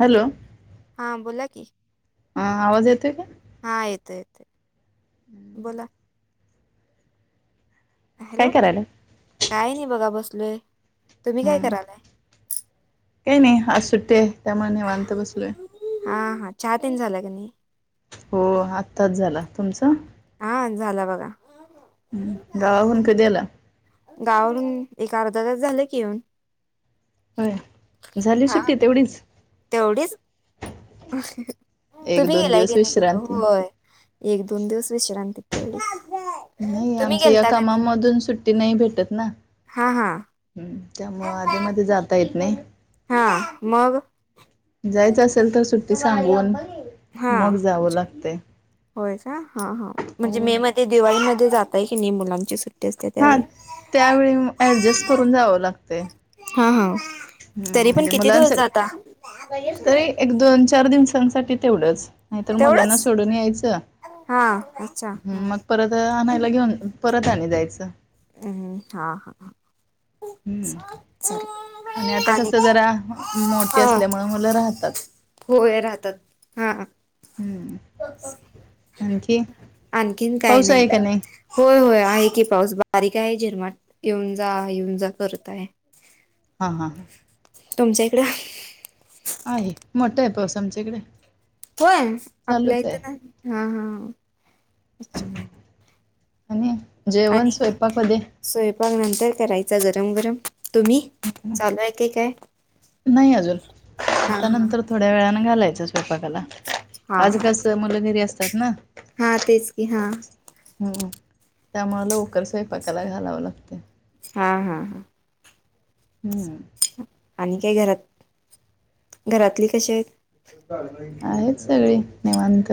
Hello हा बोला की हा आवाज येतोय का? हा येतो येतो बोला काय हॅलो करायला काय नाही बघा बसलोय तुम्ही हा काय करालय? काही नाही आज सुट्टी आहे त्यामुळे नाही निवांत बसलोय. हा हा चहा तीन झालं का नाही? हो आत्ताच झाला तुमचं? हा झाला बघा हम्म गावाहून कधी आला? गावावरून एक अर्धा तास झालं की येऊन होय झाली हा सुट्टी तेवढीच? एक तुम्ही दोन गेलाय दिवस का नाही कुठं विश्रांती होय एक दोन दिवस विश्रांती तेवढी नाही आमच्या या कामामधून सुट्टी नाही भेटत ना? हा हा हम त्यामुळे आधी मध्ये जाता येत नाही. हा मग? जायच असेल तर, सुट्टी सांगून हा, मग जावं अच्छा लागते होय का? हा हा, म्हणजे हो मे ते दिवाळीमध्ये जातय की नाही, मुलांची सुट हा, त्यावेळी ऍडजस्ट करून जावं लागतय. हा हा, तरी पण किती दिवस मुलांसाठी जाता? तरी, एक दोन-चार दिवसांसाठी तेवढंच. नाहीतर मुलांना तेवढंच सोडून यायचं, हा अच्छा हा मग परत आणायला घेऊन, परत आण जायचं हम्, हा. हम्म हा. आणि आता कसं जरा, मोठी हा असल्यामुळे मुलं राहतात. होय, राहतात. हा. हम्म आणखी आणखीन काय पाऊस नाही आहे ब का होय, होय, आहे की पाऊस, बारीक आहे, झिरमाट, येऊन जा, येऊन जा, करत आहे. हा, हा. तुमच्या इकडं? आहे, मोठा आहे, पाऊस आमच्याकडे. होय? आपल्या इथं नाही, हा हा. आणि, जेवण आणि स्वयंपाक कधी? स्वयंपाक नंतर करायचा, गरम-गरम, तुम्ही? चालू आहे की काय नाही अजून, हा आता हा नंतर थोड्या वेळाने घालायचं स्वयंपाकाला, हा आज हा कसं मुलं घरी असतात ना. हा तेच की, हा. हम्म, त्यामुळे लवकर स्वयंपाकाला घालावं लागतय. हा. हा. हा. हम्म! आणि काय? घरात घरातले कसे आहेत? आहेत सगळी निवांत,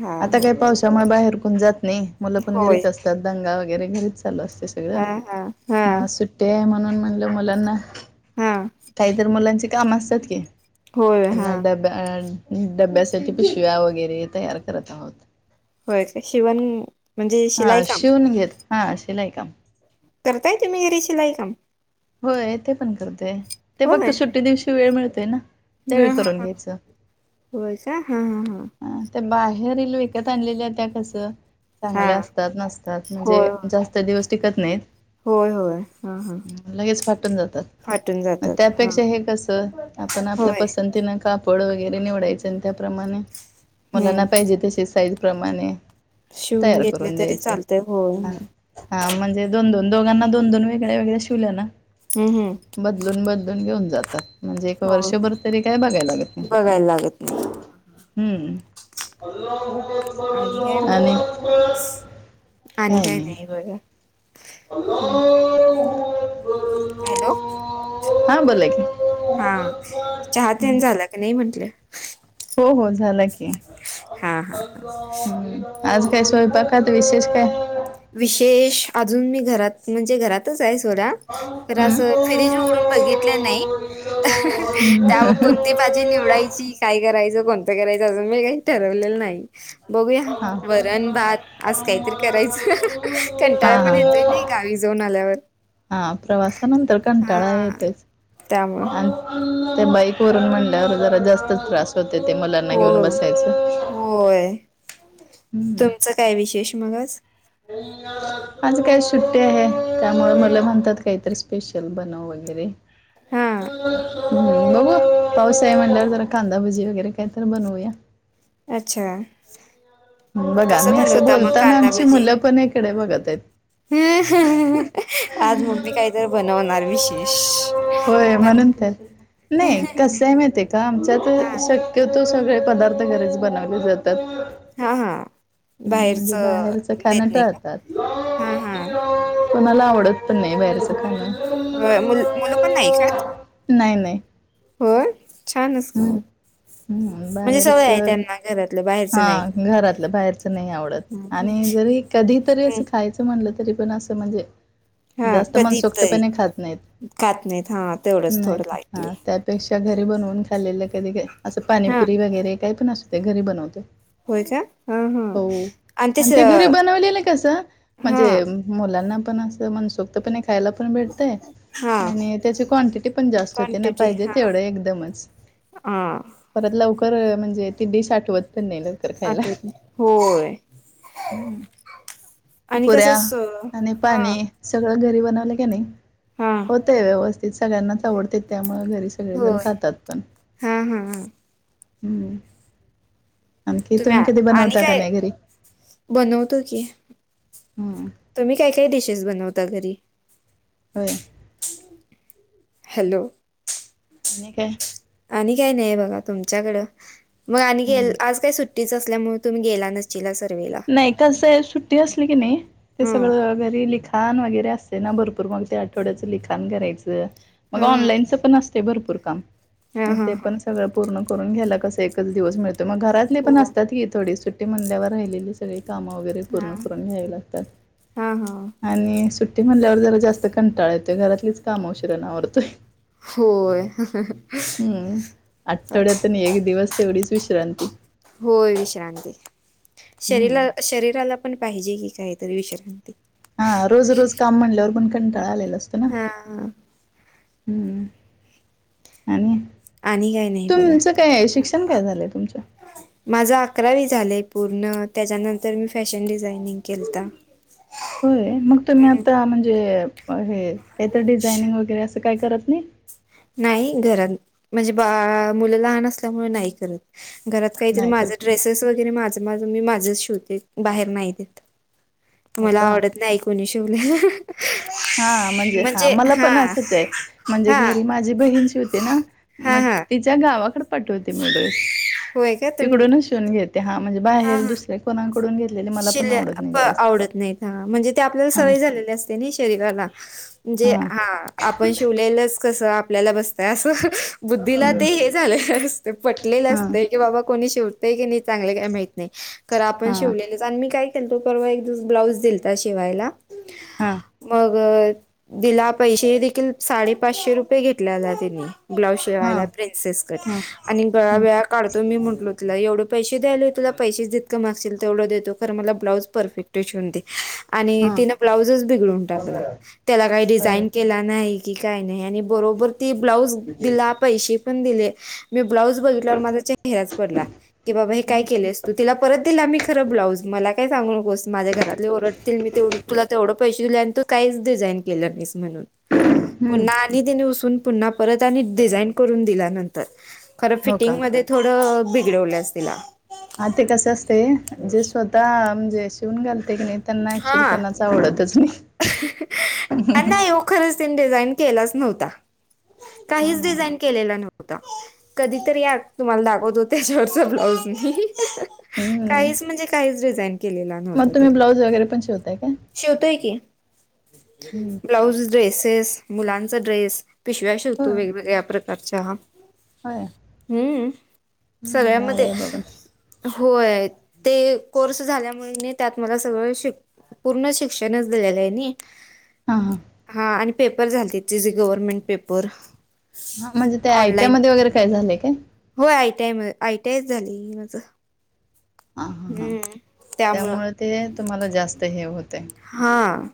हा आता हा काय पावसामुळे बाहेर कोन जात नाही मुलं पण होय घरीच असतात, दंगा वगैरे घरीच चालू असते सगळं, हा हा हा मग आज सुट सुट्टी आहे, म्हणून म्हणलं मुलांना हां. काहीत मुलांची काम असतात की, होय त्यांना हा ड डब्यासाठी पिशव्या वगैरे, तयार करतात. होय काय, शिवण म्हणजे हा, शिलाई काम शिवून घेत, हा शिलाई काम. करताय तुम्ही घिरी शिलाई काम? होय ते पण करतय, ते फक्त सुट्टी दिवशी वेळ मिळतोय ना. त्यावेळी हा हा करून हा, घ्यायचं. होय काय? हा हा हा. त्या बाहेरील विकत आणलेल्या त्या कस हा चांगल्या हा असतात नसतात, म्हणजे होय जास्त दिवस टिकत नाहीत. होय, होय, हा हा. लगेच फाटून जातात, फाटून मग जातात हा त्यापेक्षा हे कसं, आपण आपल्या होय पसंतीनं का पड वगैरे निवडायच, आणि त्याप्रमाणे मुलांना हम्म पाहिजे तशी साईज प्रमाणे शिवून तयार घेतले करून तरी द्यायचे, चालतय होय हा. हम्म हा, म्हणजे दोन-दोन, दोघांना दोन-दोन वेगळ्या वेगळ्या शिवल्या ना हम् हम बदलून बदलून घेऊन जातात. म्हणजे एक हो वर्षभर तरी काय बघाय लागत नाही. बघायला लागत नाही हम्म. आणि काय मग आणि आणि काय नाही. [unintelligible] [unintelligible] हॅलो. [unintelligible] हा चहा तेन झाला का नाही म्हंटलं? हो हो झाला की. हा हा आज काय स्वयंपाकात विशेष काय? विशेष अजून मी घरात म्हणजे घरातच आहे सोडा. तर असं हम्म फ्रीज उघडून बघितलं नाही त्यावर कोणती भाजी निवडायची काय करायचं कोणतं करायचं असं मी काही ठरवलेलं नाही. बघूया हा वरण भात आज काहीतरी करायचं. हा कंटाळा हा पण येतोय ना गावी जाऊन आल्यावर. हा प्रवासानंतर कंटाळा हा येतोच त्यामुळं आणि हो [unintelligible] होय हम्म तुमचं काय विशेष मग आज? आज काय सुट्टी आहे त्यामुळे मुल हम्म म्हणतात काहीतरी स्पेशल बनव वगैरे. हा हम्म बघू पाऊस आहे म्हटल्यावर जरा कांदाभजी वगैरे काय तर बनवूया. अच्छा बघा कसं मी असं बनवता मग बोलताना आ मुलं पण इकडे बघत आहेत. ह आज मम्मी काही तर बनवणार विशेष होय म्हणून नाही कसय माहिती आहे का हा आमच्यात कि तो सगळे पदार्थ घरच बनवले जातात. हा हा बाहेरच म्हणजे देत नाही का हा हा [unintelligible] मु मुलं पण नाही खात? नाही नाही. हो छान च की मग. हम् म्हणजे बाहेरच सवय आहे त्यांना घरातलं बाहेरचं हा नाही घरातलं बाहेरच नाही आवडत खात. आणि जरी कधी तरी असं खायचं म्हणलं तरी पण असं म्हणजे हा जास्त मनसोक्तपणे खात नाहीत. हां. नाही हा त्यापेक्षा घरी बनवून खाल्लेलं कधी असं हा पाणीपुरी वगैरे काय पण असत ते घरी बनवतोय. होय का ह हा. आणि तेच आणि ते घरी बनवलेलं कसं हा म्हणजे मुलांना पण असं मनसोक्त त पण खायला पण भेटतंय हा आणि त्याची क्वांटिटी पण जास्त होते ना पाहिजे तेवढं एकदमच ह परत लवकर म्हणजे ती डीश आठवत पण नाही लवकर खायला आठवत नाही होय. हम्म, आणि कसं पुऱ्या स आणि हा पाणी. सगळं घरी बनवलं की नाही हा होतंय व्यवस्थित सगळ्यांना आवडते त्यामुळे घरी सगळेजण होय खातात पण. हा हा हा [inaudible] हम्म, आणखी तुम्ही कधी आणि बनवता का काय नाही घरी? बनवतो की, हम्म तुम्ही काय काय डिशेस बनवता घरी? हो. हॅलो! आणि काय? आणि काय नाही बघा तुमच्याकडं मग आणि हम्म आज काय सुट्ट टीच असल्यामुळे तुम्ही गेला नसिला सर्ववेला. नाही कसं सुट्टी असली की नाही ते हं. सगळं घरी लि काम वगैरे असते ना भरपूर मग ते आठवड्याचं लिखाण करायचं. मग हां, हां. ऑनलाईनच पण असते भरपूर काम मग हां, ते हां, हां. पण. सगळं पूर्ण करून घ्यायला कस एकच दिवस मिळतो मग घरातली हो. पण असतात की थोडी सुट्टी म्हणल्यावर राहिलेली. सगळी काम वगैरे पूर्ण हां. करून घ्यावे लागतात. हां, हां. आणि सुट्टी म्हणल्यावर जरा जास्त कंटाळ येतोय घरातलीच काम उशरणावरतोय. होय. हम्म आठवड्यातून एक दिवस तेवढीच विश्रांती. होय विश्रांती हम्म शरीर-शरीराला पण पाहिजे कि काही. तरी विश्रांती. हा रोज रोज काम म्हणल्यावर पण कंटाळा आलेला असतो ना. हां, हां. हम्म, आणि? आणि काय नाही बघा. तुमचं काय शिक्षण काय झालंय तुमचं? माझं अकरावी झालंय पूर्ण त्याच्यानंतर मी फॅशन डिझायनिंग केलता. होय मग तुम्ही आता म्हणजे हे काहीत डिझाईनिंग वगैरे असं काय करत नाही? नाही घरात म्हणजे बा मुलं लहान असल्यामुळे नाही करत. घरात काहीतरी नाही माझ करत का? ड्रेसेस वगैरे माझं-माझ मी माझंच शिवते बाहेर नाही देत. हो मला का? आवडत नाही कोणी शिवलेला. हा म्हणजे हा मला पण असंच आहे म्हणजे हा घरी माझी बहीण शीवते ना हा मग हा तिच्या गावाकड पाठवते मी ड्रेस, होय का तुम तिकडूनच शिऊन घेते हा म्हणजे बाहेर दुसऱ्या कोंकडून शिल्या प आवडत नाहीत ह म्हणजे ते आपल्याला हा सवय झालेली असते ना शरीराला. म्हणजे हा आपण शिवलेलंच कसं आपल्याला बसतय असं. बुद्धीला ते हा हे झालेलं असते पटलेलं असते की बाबा कोणी शिव ते की नाही चांगले काय माहत नाही खर आपण हा शिवले. कारण मी काय केलतो परवा एक दिवस ब्लाउज दिलता शिवायला. हा. मग दिला पैसे देखील साडे पाचशे रुपये घेतलेला तेनी. ब्लाउज हा शेवायला प्रिन्सेस कट हा आणि हम्म गळा-विळा काढतो मी म्हटलो तिला एवढं. पैसे द्यायला हो तुला पैसेच जितकं मांगशिल तेवढं देतो खर मला ब्लाउज परफेक्ट शिऊन दे. आणि हा तिनं ब्लाऊजच बिघडून टाकला, त्याला काही बरोबर डिझाईन केला नाही. की काय नाही आणि बरोबर ती ब्लाऊज दिला पैसे पण दिले. मी ब्लाऊज बघितलावर माझा चेहराच पडला की बाबा हे काय केलेस तू तिला परत दिला मी खरं ब्लाउज. मला काय सांगू नकोस माझ्या घरातले ओरडतील मी ते तुला तेवढं पैसे. दिल्यानंतर काहीच डिझाईन केली नाहीस म्हणून, हम्म पुन्हा पुन्हा परत आणि डिझाईन करून दिल्या नंतर खर हो का? फिटिंगमध्ये थोडं बिघडवलंस तिला हा ते कस असते जे स्वतः म्हणजे शिवून घालते की नाही त्यांना ऍक्च्युली हा कोणाच आवडतच नाही नाही हो खरंच तीने डिझाईन केलाच नव्हता हा काहीच हा हा डिझाईन केलेला नव्हता कधीतरी या तुम्हाला दाखवत हो त्याच्यावरचा ब्लाऊज मी हम्म काहीच म्हणजे काहीच डिझाईन केलेला नव्हता त्याला ब्लाउज वगैरे पण चिऊताई काय? शिवतोय की हम्म ब्लाऊज ड्रेसेस मुलांच ड्रेस पिशव्या शिवतोय होय वेगवेेगळ्या प्रकारच्या होय हम्म हम्म भारी सगळ्यामध्ये आहे बाबा होय ते कोर्स झाल्यामुळे त्यात मला सगळं शिक पूर्ण शिक्षणच दिलेलं आहे हा हा. हा आणि पेपर झालतीत जे, जे गव्हर्नमेंट पेपर हा म्हणजे त्या आयटी या ऑनलाईन. मध्ये वगैरे काय झालंय काय होय आयटीय आयटीयच झाली माझं हा हा हा हम्म त्यामुळं त्यामुळे ते तुम्हाला जास्त हे होतंय हां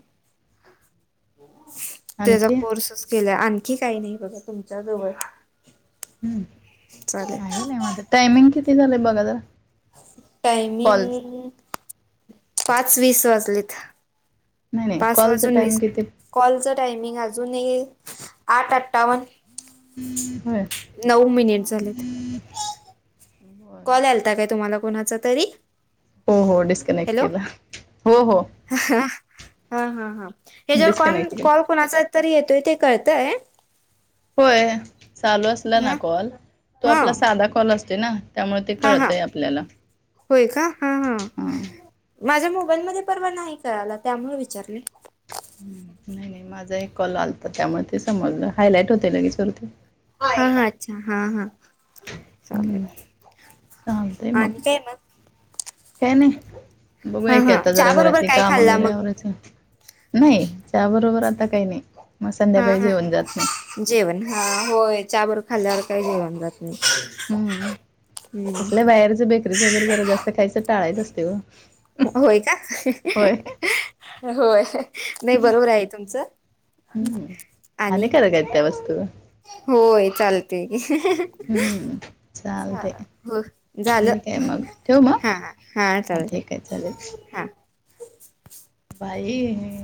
त्याचा आणखी कोर्सच केला आणखी काही नाही बघा तुमच्या जवळ हम्म चालेल आहे निवांत टायमिंग किती झालंय बघा जरा टायमिंग कॉलच पाच वीस वाजलेत नाही नाही पाच कॉलचं वाजून टाइम वीस किती मिनिट कॉलच टायमिंग अजून येईल आठ, अठ्ठावन्न [unintelligible] नऊ मिनिट झालेत बरं. कॉल यायलता काय तुम्हाला कोणाचा तरी हो, हो डिस्कनेक्ट केला हो, हो ह हा, हा, हा हे ज्या वर कॉण डिस्कनेक्ट केला कॉल कोणाचा तरी येतोय ते कळतंय होय चालू असला ना हा कॉल तो हा आपला साधा कॉल असते ना त्यामुळे ते हा हा कळतय आपल्याला होय का हा, हा माझ्या मोबाईलमध्ये परवा नाही करायला त्यामुळे विचारले नाही, नाही माझा एक कॉल आलता त्यामुळे ते समजलं हायलाईट होते लगेच वरती हा, हा अच्छा हा, हा चालेल हम्म. चालतंय मग बाकी काय मग काय नाही हा बघूय की हा आता चहा जरा बरोबर घरातली काय काम खाल्ला वगैरे मग आवरायचं नाही त्याबरोबर आता काही, नाही मग हा संध्याकाळी हा जेवन जात नाही जेवण हा होय चाहा बरोबर खाल्ल्यावर काही जेवण जात नाही हम् हम्म तसल्या बाहेरच बेकरीच वगैरे जरा जास्त खायचं टाळायचं असते हो होय का होय होय नाही बरोबर आहे तुमचं आणि हानिकारक आहे त्या वस्तू होय चालतय की हम्म चालतय झालं ठीक आहे मग ठेवू मग हा हा हा चालतंय ठीक [unintelligible] हा बाई